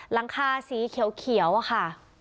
หลังคาสีเขียวอะค่ะ